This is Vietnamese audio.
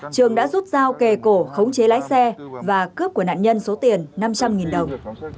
trường đã rút dao kề cổ khống chế lái xe và cướp của nạn nhân số tiền năm trăm linh đồng